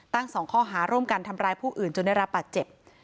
ตั้งสองข้อหาร่วมกันทำร้ายผู้อื่นจนได้รับปัจจิบ